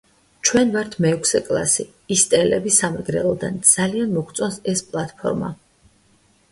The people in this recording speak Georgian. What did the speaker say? ჩვენ ვართ მეექვსე კლასი, ისტელები სამეგრელოდან, ძალიან მოგვწონს ეს პლატფორმა